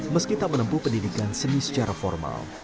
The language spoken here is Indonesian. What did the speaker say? meski tak menempuh pendidikan seni secara formal